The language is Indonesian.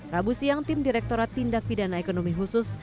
rabu siang tim direktorat tindak pidana ekonomi khusus